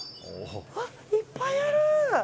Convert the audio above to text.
うわ、いっぱいある！